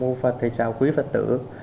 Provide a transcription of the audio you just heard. mô phật thầy chào quý phật tử